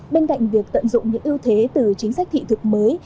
bên cạnh việc tận dụng những ưu thế từ chính sách thị thực mới